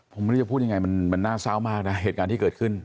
ผมไม่รู้จะพูดยังไงมันน่าเศร้ามากนะเหตุการณ์ที่เกิดขึ้น